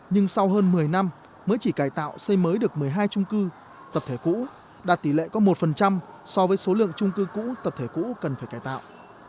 nhưng sau hơn một mươi năm mới chỉ cải tạo xây mới được một mươi hai trung cư tập thể cũ đạt tỷ lệ có một so với số lượng trung cư cũ tập thể cũ cần phải cải tạo